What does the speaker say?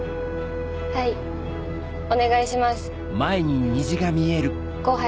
はいお願いします後輩。